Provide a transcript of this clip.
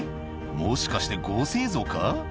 もしかして合成映像か。